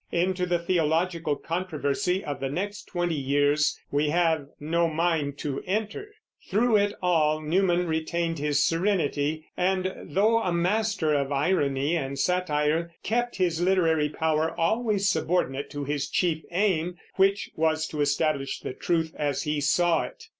Into the theological controversy of the next twenty years we have no mind to enter. Through it all Newman retained his serenity, and, though a master of irony and satire, kept his literary power always subordinate to his chief aim, which was to establish the truth as he saw it.